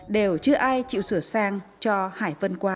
đều chưa ai chịu sửa sang cho hải vân quan